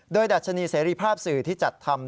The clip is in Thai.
โดยดัชนีเสรีภาพสื่อที่จัดทำ